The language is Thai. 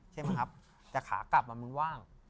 ใช่ไหมครับแต่ขากลับมึงว่าง